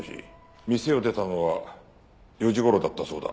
店を出たのは４時頃だったそうだ。